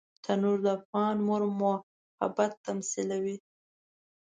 تنور د افغان مور محبت تمثیلوي